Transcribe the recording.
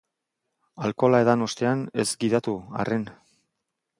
Alkohola edan ostean, ez gidatu, arren.